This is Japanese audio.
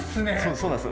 そうなんです。